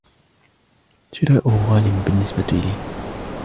شراؤه غال بالنسبة لي.